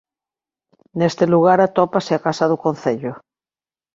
Neste lugar atópase a casa do concello.